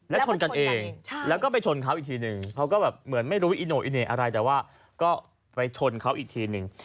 แล้วชนกันเองแล้วก็ไปชนเขาอีกทีนึงเขาก็แบบเหมือนไม่รู้อิโน่อีเหน่อะไรแต่ว่าก็ไปชนเขาอีกทีนึง